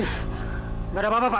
tidak ada apa apa pak